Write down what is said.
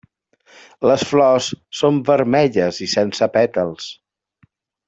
Les flors són vermelles i sense pètals.